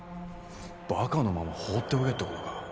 バカのまま放っておけって事か。